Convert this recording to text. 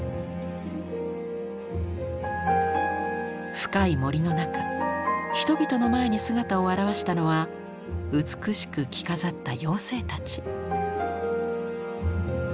深い森の中人々の前に姿を現したのは美しく着飾った妖精たち。